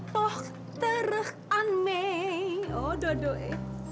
berharap bersama dari